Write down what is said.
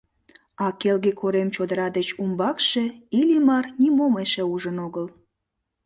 А Келге корем чодыра деч умбакше Иллимар нимом эше ужын огыл.